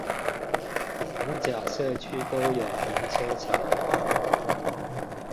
五甲社區公有停車場